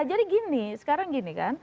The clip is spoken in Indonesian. jadi gini sekarang gini kan